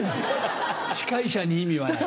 司会者に意味はない。